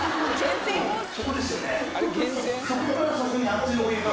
そこですよね？